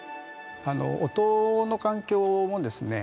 音の環境もですね